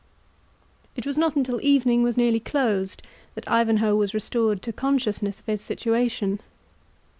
It was not until evening was nearly closed that Ivanhoe was restored to consciousness of his situation.